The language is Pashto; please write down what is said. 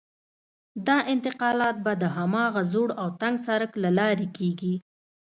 دا انتقالات به د هماغه زوړ او تنګ سړک له لارې کېږي.